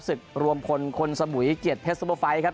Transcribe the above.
สึกรวมคนคนสมุยเกียรติเทสโนโลไฟต์ครับ